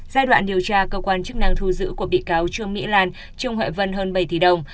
giai đoạn điều tra cơ quan chức năng thu giữ của bị cáo trương mỹ lan trung huệ vân hơn bảy tỷ đồng